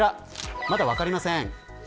まだ分かりません。